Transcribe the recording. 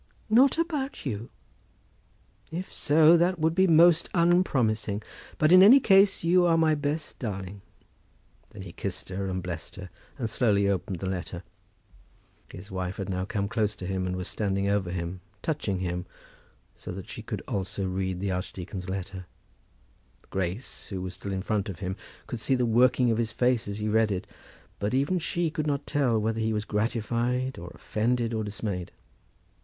"Not about you? If so, that would be most unpromising. But, in any case, you are my best darling." Then he kissed her and blessed her, and slowly opened the letter. His wife had now come close to him, and was standing over him, touching him, so that she also could read the archdeacon's letter. Grace, who was still in front of him, could see the working of his face as he read it; but even she could not tell whether he was gratified, or offended, or dismayed.